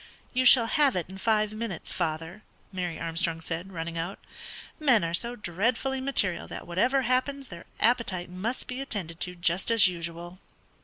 "You shall have it in five minutes, father," Mary Armstrong said, running out. "Men are so dreadfully material that whatever happens their appetite must be attended to just as usual."